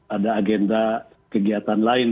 ada agenda kegiatan lain